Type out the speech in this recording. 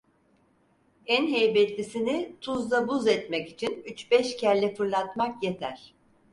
En heybetlisini tuzla buz etmek için üç beş kelle fırlatmak yeter.